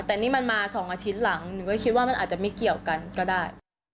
แต่นี่มันมา๒อาทิตย์หลังหนึ่งก็คิดว่ามันอาจจะไม่เกี่ยวกันก็ได้